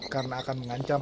karena akan mengancam